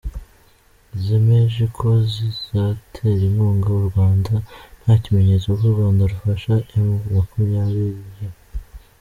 zemeje ko zizatera inkunga u Rwanda; nta kimenyetso ko u Rwanda rufasha emu makumyabiri